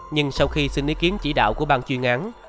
nhưng sau khi xin ý kiến chỉ đạo của ban chuyên án